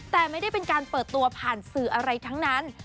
แต่ไม่ได้เป็นการเปิดตัวผ่านสื่ออะไรทั้งนั้น